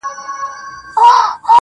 • لـه ژړا دي خداى را وساته جانـانـه.